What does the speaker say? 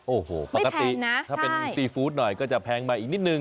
โอ้โหปกตินะถ้าเป็นซีฟู้ดหน่อยก็จะแพงมาอีกนิดนึง